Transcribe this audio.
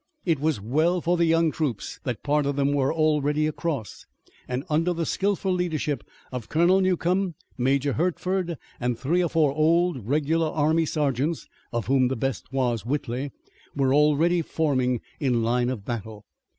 It was well for the young troops that part of them were already across, and, under the skillful leadership of Colonel Newcomb, Major Hertford, and three or four old, regular army sergeants, of whom the best was Whitley, were already forming in line of battle.